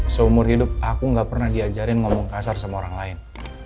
seumur hidup aku gak pernah diajarin ngomong kasar sama orang lain